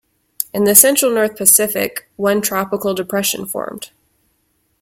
In the central north Pacific, one tropical depression formed.